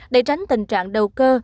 để tránh tình trạng đầu cơ